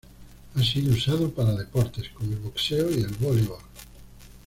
Ha sido usado para deportes como el boxeo y el voleibol.